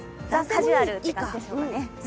カジュアルでいい感じでしょうかね。